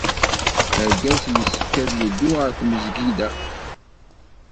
Argaz yessefk ad yeddu ɣer tmezgida.